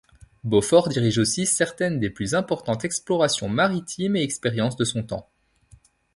Beaufort dirige aussi certaines des plus importantes explorations maritimes et expériences de son temps.